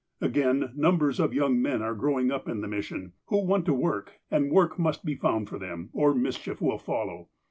Again, numbers of young men are growing up in the mission, who want work, and work must be found for them, or mischief will follow.